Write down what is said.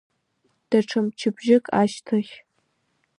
Даҽа мчыбжьык ашьҭахь…